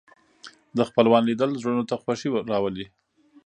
د خپلوانو لیدل زړونو ته خوښي راولي